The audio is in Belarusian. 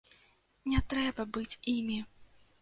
Не трэба быць імі!